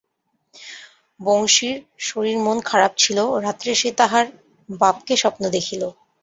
বংশীর শরীর মন খারাপ ছিল, রাত্রে সে তাহার বাপকে স্বপ্ন দেখিল।